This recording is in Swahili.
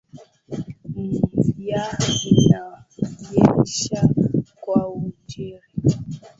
Mvua inanyesha kwa ujeuri.